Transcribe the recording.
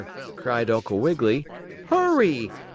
cried Uncle Wiggily. "Hurry!"